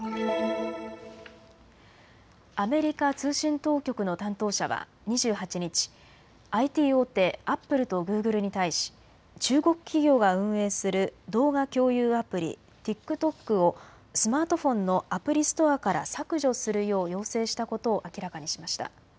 アメリカ通信当局の担当者は２８日、ＩＴ大手、アップルとグーグルに対し中国企業が運営する動画共有アプリ、ＴｉｋＴｏｋをスマートフォンのアプリストアから削除するよう要請したことを明らかにしました。